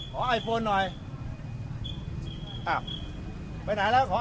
ขอไอโฟนหน่อยอ่าไปไหนล่ะขอไอโฟนหน่อย